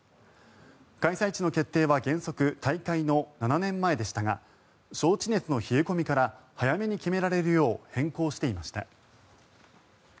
開催地の決定は原則、大会の７年前でしたが招致熱の冷え込みから早めに決められるよう変更していました。